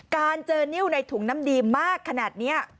การเจอนิ้วในถุงน้ำดีมากขนาดนี้